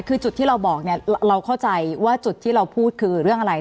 คือจุดที่เราบอกเนี่ยเราเข้าใจว่าจุดที่เราพูดคือเรื่องอะไร